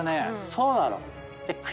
そうなの。